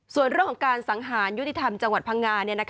ส่วนเรื่องของการสังหารยุติธรรมจังหวัดพังงา